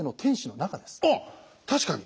あっ確かに。